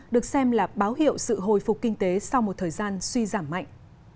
được xem là báo hiệu sự hồi phục kinh tế sau một thời gian suy giảm mạnh